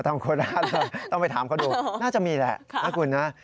ตำโคราชต้องไปถามเขาดูน่าจะมีแหละถ้าคุณนะ